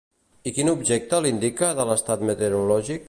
I quin objecte l'indica de l'estat meteorològic?